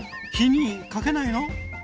火にかけないの？